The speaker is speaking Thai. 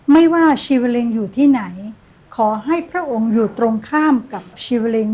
ไม่ว่าชีวาเล็งอยู่ที่ไหนขอให้พระองค์อยู่ตรงข้ามกับชีวาเล็ง